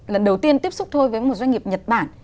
lần đầu tiên tiếp xúc thôi với một doanh nghiệp nhật bản